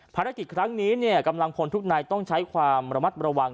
ภารกิจครั้งนี้กำลังพลทุกนายต้องใช้ความระมัดระวัง